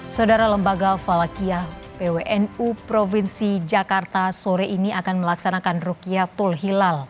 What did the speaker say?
saudara lembaga falakiyah pwnu provinsi jakarta sore ini akan melaksanakan rukyatul hilal